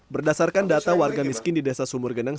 berdasarkan data warga miskin di desa sumur geneng